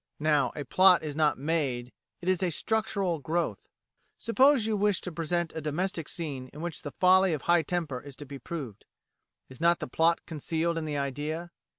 Now, a plot is not made; it is a structural growth. Suppose you wish to present a domestic scene in which the folly of high temper is to be proved. Is not the plot concealed in the idea?